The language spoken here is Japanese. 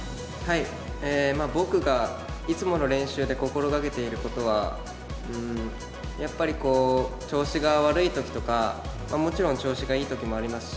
僕がいつもの練習で心がけていることは、やっぱり、調子が悪いときとか、もちろん調子がいいときもありますし。